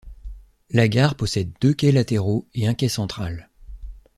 La gare possède deux quais latéraux et un quai central.